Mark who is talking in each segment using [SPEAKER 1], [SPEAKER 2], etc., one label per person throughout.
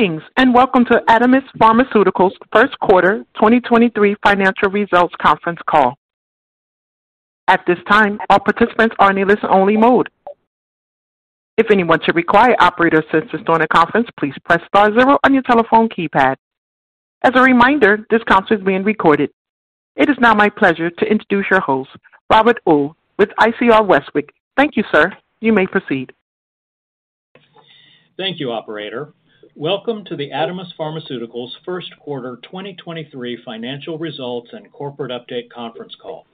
[SPEAKER 1] Greetings, welcome to Adamis Pharmaceuticals' first quarter 2023 financial results conference call. At this time, all participants are in a listen-only mode. If anyone should require operator assistance on a conference, please press star zero on your telephone keypad. As a reminder, this conference is being recorded. It is now my pleasure to introduce your host, Robert Uhl with ICR Westwicke. Thank you, sir. You may proceed.
[SPEAKER 2] Thank you operator. Welcome to the Adamis Pharmaceuticals first quarter 2023 financial results and corporate update conference call.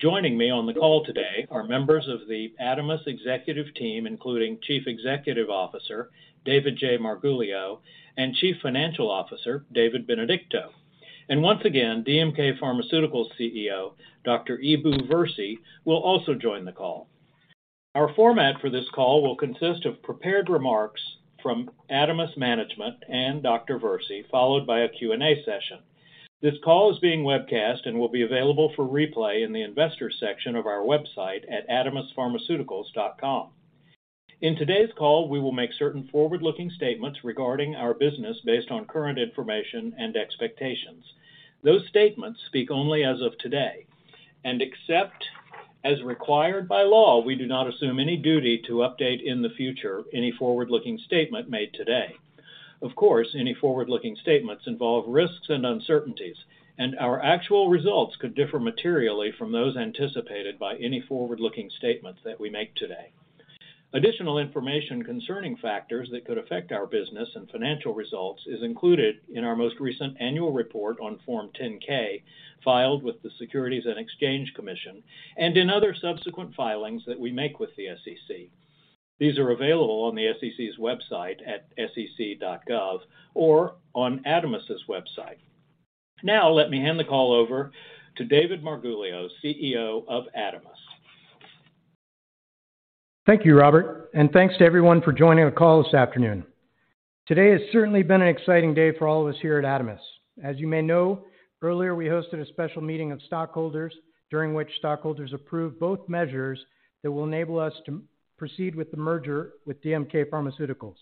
[SPEAKER 2] Joining me on the call today are members of the Adamis executive team, including Chief Executive Officer, David J. Marguglio, and Chief Financial Officer, David Benedicto. Once again DMK Pharmaceuticals CEO, Dr. Eboo Versi, will also join the call. Our format for this call will consist of prepared remarks from Adamis management and Dr. Versi, followed by a Q&A session. This call is being webcast and will be available for replay in the investor section of our website at adamispharmaceuticals.com. In today's call we will make certain forward-looking statements regarding our business based on current information and expectations. Those statements speak only as of today, except as required by law, we do not assume any duty to update in the future any forward-looking statement made today. Of course, any forward-looking statements involve risks and uncertainties, and our actual results could differ materially from those anticipated by any forward-looking statements that we make today. Additional information concerning factors that could affect our business and financial results is included in our most recent annual report on Form 10-K, filed with the Securities and Exchange Commission, and in other subsequent filings that we make with the SEC. These are available on the SEC's website at sec.gov or on Adamis's website. Now, let me hand the call over to David Marguglio, CEO of Adamis.
[SPEAKER 3] Thank you Robert. Thanks to everyone for joining the call this afternoon. Today has certainly been an exciting day for all of us here at Adamis. As you may know, earlier, we hosted a special meeting of stockholders during which stockholders approved both measures that will enable us to proceed with the merger with DMK Pharmaceuticals.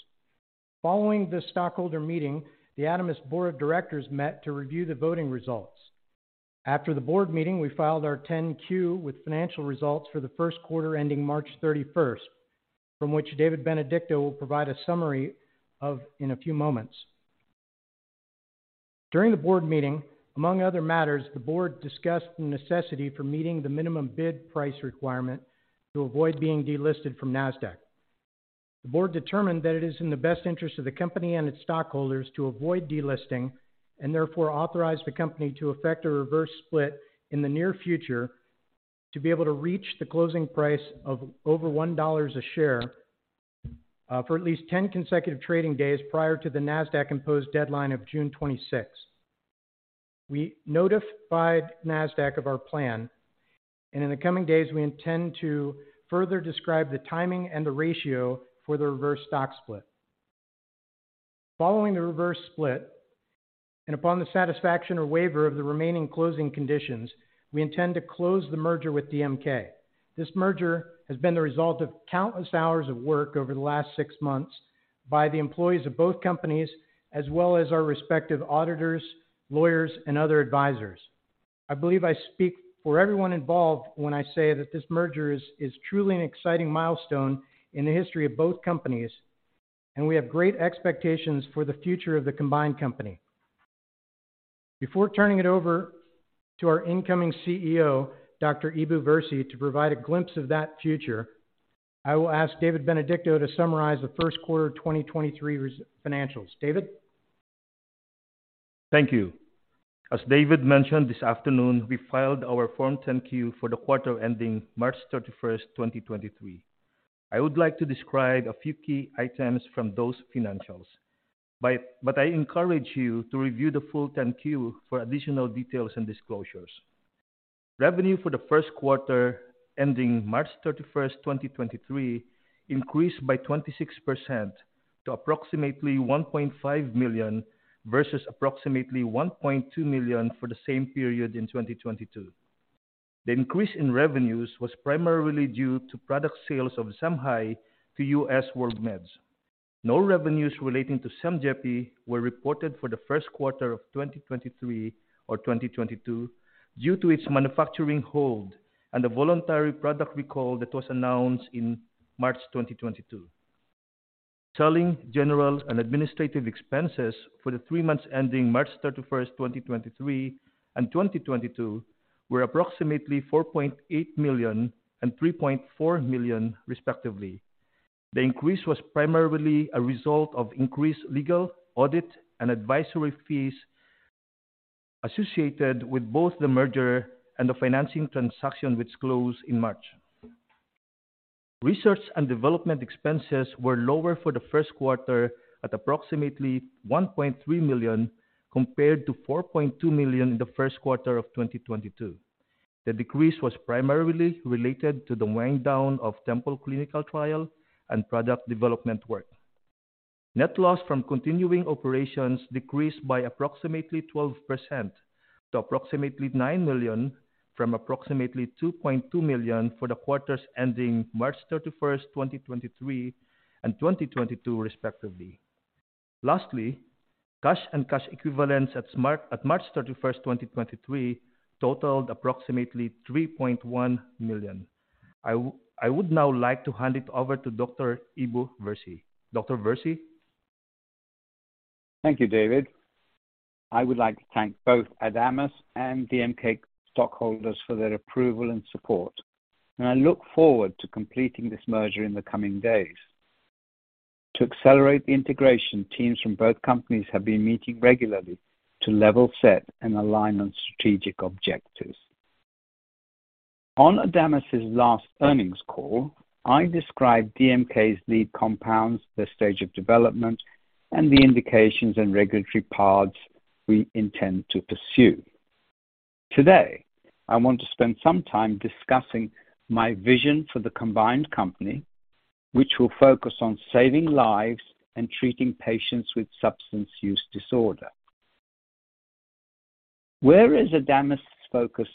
[SPEAKER 3] Following the stockholder meeting, the Adamis board of directors met to review the voting results. After the board meeting, we filed our 10-Q with financial results for the first quarter ending March 31st, from which David Benedicto will provide a summary of in a few moments. During the board meeting, among other matters, the board discussed the necessity for meeting the minimum bid price requirement to avoid being delisted from Nasdaq. The board determined that it is in the best interest of the company and its stockholders to avoid delisting and therefore authorized the company to effect a reverse split in the near future to be able to reach the closing price of over $1 a share, for at least 10 consecutive trading days prior to the Nasdaq-imposed deadline of June 26th. We notified Nasdaq of our plan. In the coming days, we intend to further describe the timing and the ratio for the reverse stock split. Following the reverse split, upon the satisfaction or waiver of the remaining closing conditions, we intend to close the merger with DMK. This merger has been the result of countless hours of work over the last 6 months by the employees of both companies, as well as our respective auditors, lawyers, and other advisors. I believe I speak for everyone involved when I say that this merger is truly an exciting milestone in the history of both companies. We have great expectations for the future of the combined company. Before turning it over to our incoming CEO, Dr. Eboo Versi, to provide a glimpse of that future, I will ask David Benedicto to summarize the first quarter 2023 financials. David.
[SPEAKER 4] Thank you. As David mentioned this afternoon, we filed our Form 10-Q for the quarter ending March 31, 2023. I would like to describe a few key items from those financials, but I encourage you to review the full 10-Q for additional details and disclosures. Revenue for the first quarter ending March 31, 2023 increased by 26% to approximately $1.5 million versus approximately $1.2 million for the same period in 2022. The increase in revenues was primarily due to product sales of ZIMHI to US WorldMeds. No revenues relating to SYMJEPI were reported for the first quarter of 2023 or 2022 due to its manufacturing hold and a voluntary product recall that was announced in March 2022. Selling, general, and administrative expenses for the three months ending March 31st, 2023 and 2022 were approximately $4.8 million and $3.4 million, respectively. The increase was primarily a result of increased legal, audit, and advisory fees associated with both the merger and the financing transaction, which closed in March. Research and development expenses were lower for the first quarter at approximately $1.3 million, compared to $4.2 million in the first quarter of 2022. The decrease was primarily related to the winding down of Tempol clinical trial and product development work. Net loss from continuing operations decreased by approximately 12% to approximately $9 million from approximately $2.2 million for the quarters ending March 31st, 2023 and 2022 respectively. Lastly, cash and cash equivalents at March 31st, 2023 totaled approximately $3.1 million. I would now like to hand it over to Dr. Eboo Versi. Dr. Versi.
[SPEAKER 5] Thank you, David. I would like to thank both Adamis and DMK stockholders for their approval and support. I look forward to completing this merger in the coming days. To accelerate the integration, teams from both companies have been meeting regularly to level set and align on strategic objectives. On Adamis' last earnings call, I described DMK's lead compounds, their stage of development, and the indications and regulatory paths we intend to pursue. Today, I want to spend some time discussing my vision for the combined company, which will focus on saving lives and treating patients with substance use disorder. Whereas Adamis' focus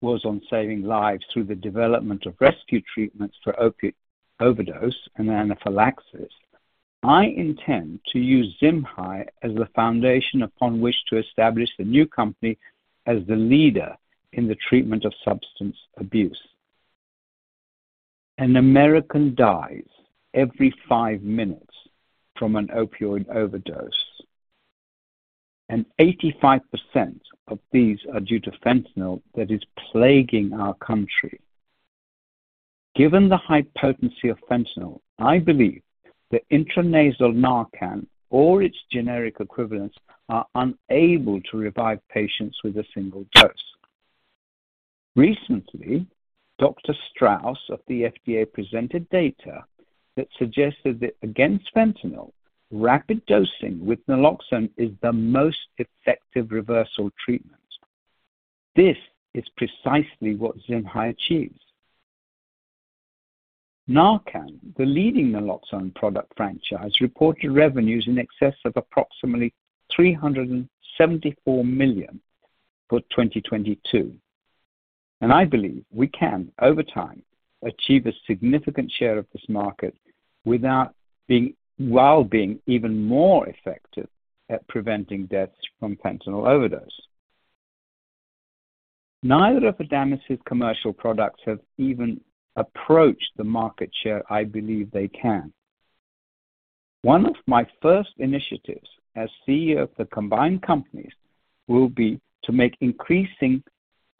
[SPEAKER 5] was on saving lives through the development of rescue treatments for overdose and anaphylaxis, I intend to use ZIMHI as the foundation upon which to establish the new company as the leader in the treatment of substance abuse. An American dies every five minutes from an opioid overdose. 85% of these are due to fentanyl that is plaguing our country. Given the high potency of fentanyl, I believe that intranasal NARCAN or its generic equivalents are unable to revive patients with a single dose. Recently, Dr. Strauss of the FDA presented data that suggested that against fentanyl, rapid dosing with naloxone is the most effective reversal treatment. This is precisely what ZIMHI achieves. NARCAN, the leading naloxone product franchise, reported revenues in excess of approximately $374 million for 2022. I believe we can over time achieve a significant share of this market while being even more effective at preventing deaths from fentanyl overdose. Neither of Adamis' commercial products have even approached the market share I believe they can. One of my first initiatives as CEO of the combined companies will be to make increasing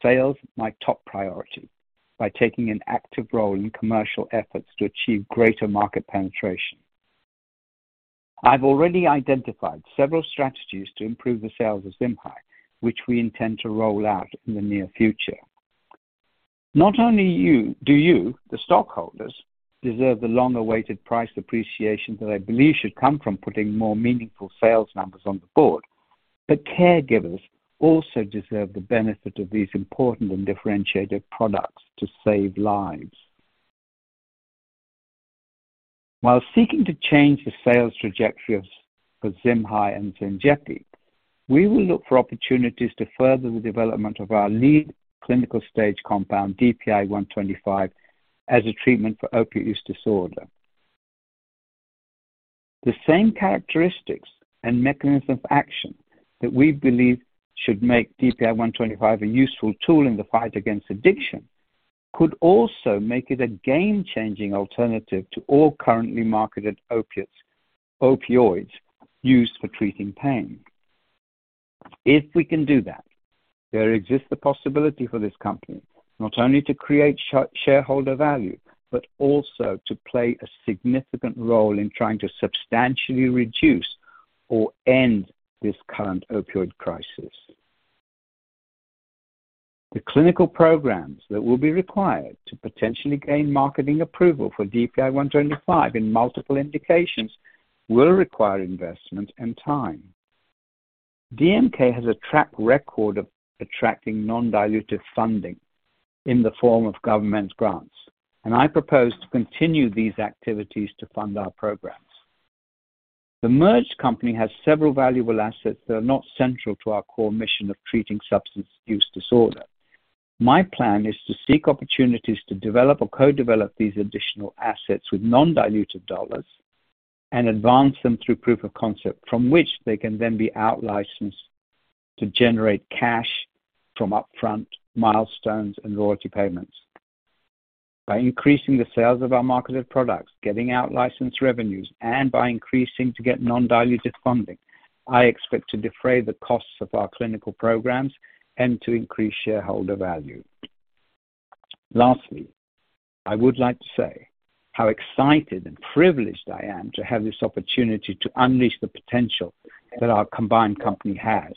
[SPEAKER 5] sales my top priority by taking an active role in commercial efforts to achieve greater market penetration. I've already identified several strategies to improve the sales of ZIMHI, which we intend to roll out in the near future. Not only do you, the stockholders, deserve the long-awaited price appreciation that I believe should come from putting more meaningful sales numbers on the board, but caregivers also deserve the benefit of these important and differentiated products to save lives. While seeking to change the sales trajectory of ZIMHI and SYMJEPI, we will look for opportunities to further the development of our lead clinical stage compound, DPI-125, as a treatment for opiate use disorder. The same characteristics and mechanisms of action that we believe should make DPI-125 a useful tool in the fight against addiction could also make it a game-changing alternative to all currently marketed opioids used for treating pain. If we can do that, there exists the possibility for this company not only to create shareholder value, but also to play a significant role in trying to substantially reduce or end this current opioid crisis. The clinical programs that will be required to potentially gain marketing approval for DPI-125 in multiple indications will require investment and time. DMK has a track record of attracting non-dilutive funding in the form of government grants. I propose to continue these activities to fund our programs. The merged company has several valuable assets that are not central to our core mission of treating substance use disorder. My plan is to seek opportunities to develop or co-develop these additional assets with non-dilutive dollars and advance them through proof of concept from which they can then be outlicensed to generate cash from upfront milestones and royalty payments. By increasing the sales of our marketed products, getting out license revenues, and by increasing to get non-dilutive funding, I expect to defray the costs of our clinical programs and to increase shareholder value. Lastly, I would like to say how excited and privileged I am to have this opportunity to unleash the potential that our combined company has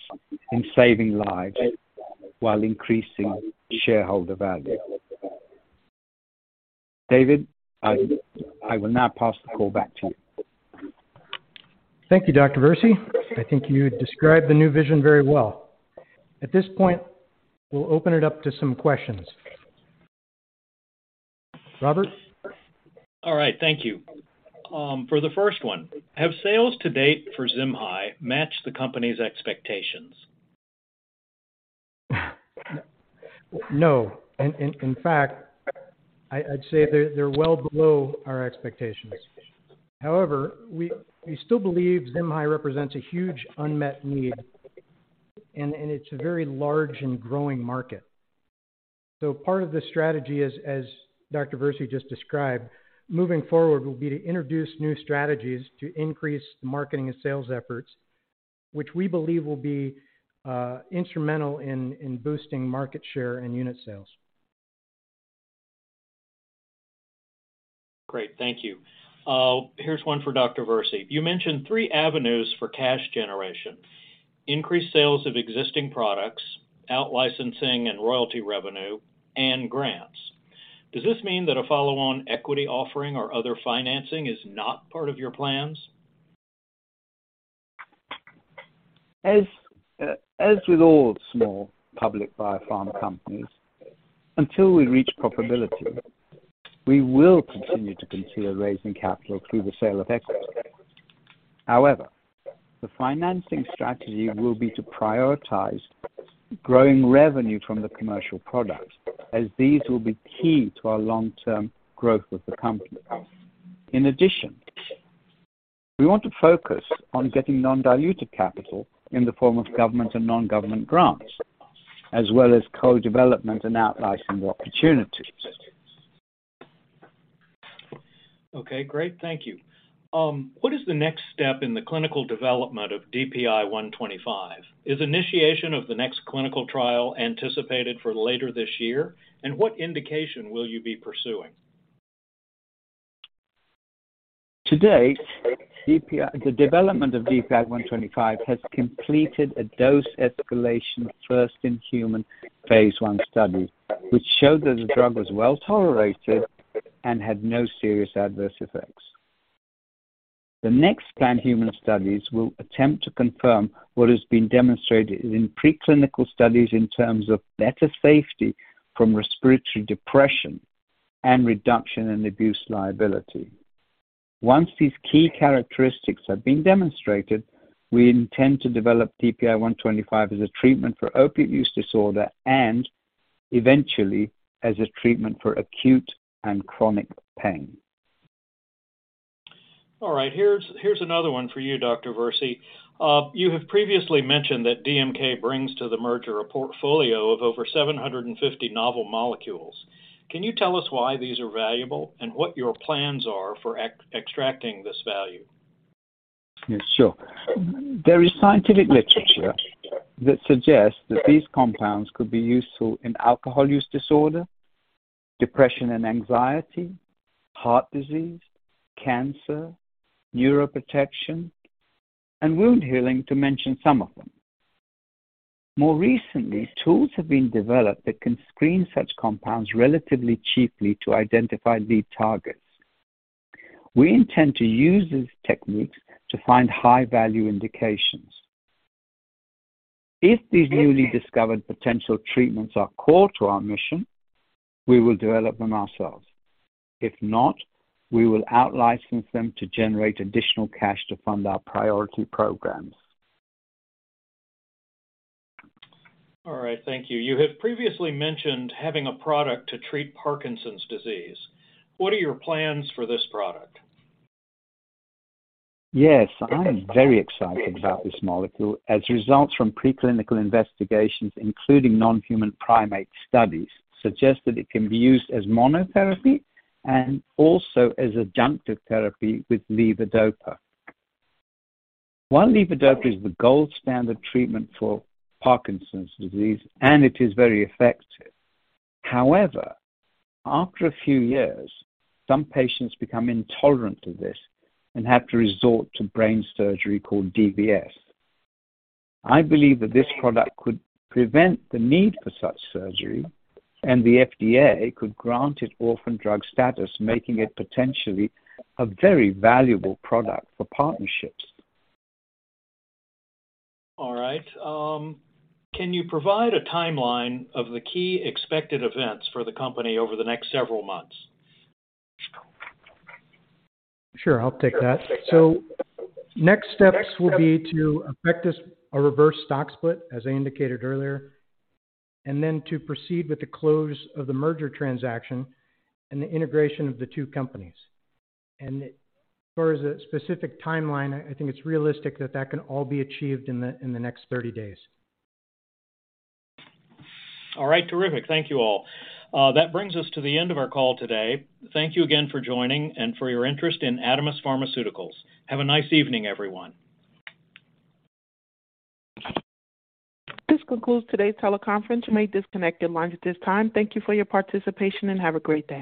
[SPEAKER 5] in saving lives while increasing shareholder value. David, I will now pass the call back to you.
[SPEAKER 4] Thank you, Dr. Versi. I think you described the new vision very well. At this point, we'll open it up to some questions.
[SPEAKER 3] Robert?
[SPEAKER 2] All right. Thank you. For the first one, have sales to date for ZIMHI matched the company's expectations?
[SPEAKER 3] No. In fact, I'd say they're well below our expectations. However, we still believe ZIMHI represents a huge unmet need and it's a very large and growing market. Part of the strategy as Dr. Versi just described, moving forward will be to introduce new strategies to increase the marketing and sales efforts, which we believe will be instrumental in boosting market share and unit sales.
[SPEAKER 2] Great. Thank you. Here's one for Dr. Versi. You mentioned three avenues for cash generation: increased sales of existing products, out-licensing and royalty revenue, and grants. Does this mean that a follow-on equity offering or other financing is not part of your plans?
[SPEAKER 5] As with all small public biopharma companies, until we reach profitability, we will continue to consider raising capital through the sale of equity. However, the financing strategy will be to prioritize growing revenue from the commercial products as these will be key to our long-term growth of the company. In addition we want to focus on getting non-dilutive capital in the form of government and non-government grants as well as co-development and out licensing opportunities.
[SPEAKER 2] Okay, great. Thank you. What is the next step in the clinical development of DPI-125? Is initiation of the next clinical trial anticipated for later this year? What indication will you be pursuing?
[SPEAKER 5] To date, the development of DPI-125 has completed a dose escalation first in human phase 1 study, which showed that the drug was well tolerated and had no serious adverse effects. The next planned human studies will attempt to confirm what has been demonstrated in preclinical studies in terms of better safety from respiratory depression and reduction in abuse liability. Once these key characteristics have been demonstrated, we intend to develop DPI-125 as a treatment for opiate use disorder and eventually as a treatment for acute and chronic pain.
[SPEAKER 2] All right. Here's another one for you, Dr. Versi. You have previously mentioned that DMK brings to the merger a portfolio of over 750 novel molecules. Can you tell us why these are valuable and what your plans are for extracting this value?
[SPEAKER 5] Yes, sure. There is scientific literature that suggests that these compounds could be useful in alcohol use disorder, depression and anxiety, heart disease, cancer, neuroprotection, and wound healing, to mention some of them. More recently, tools have been developed that can screen such compounds relatively cheaply to identify lead targets. We intend to use these techniques to find high-value indications. If these newly discovered potential treatments are core to our mission, we will develop them ourselves. If not, we will out-license them to generate additional cash to fund our priority programs.
[SPEAKER 2] All right. Thank you. You have previously mentioned having a product to treat Parkinson's disease. What are your plans for this product?
[SPEAKER 5] Yes, I am very excited about this molecule as results from preclinical investigations, including non-human primate studies, suggest that it can be used as monotherapy and also as adjunctive therapy with levodopa. While levodopa is the gold standard treatment for Parkinson's disease and it is very effective, however, after a few years, some patients become intolerant to this and have to resort to brain surgery called DBS. I believe that this product could prevent the need for such surgery, and the FDA could grant it orphan drug status making it potentially a very valuable product for partnerships.
[SPEAKER 2] All right. Can you provide a timeline of the key expected events for the company over the next several months?
[SPEAKER 3] Sure. I'll take that. Next steps will be to effect this, a reverse stock split as I indicated earlier, and then to proceed with the close of the merger transaction and the integration of the two companies. As far as a specific timeline, I think it's realistic that that can all be achieved in the next 30 days.
[SPEAKER 2] All right. Terrific. Thank you all. That brings us to the end of our call today. Thank you again for joining and for your interest in Adamis Pharmaceuticals. Have a nice evening everyone.
[SPEAKER 1] This concludes today's teleconference. You may disconnect your lines at this time. Thank you for your participation and have a great day.